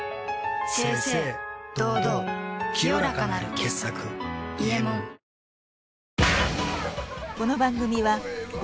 清々堂々清らかなる傑作「伊右衛門」酸辣湯